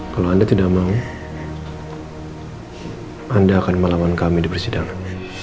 kalau anda tidak mau anda akan melawan kami di persidangan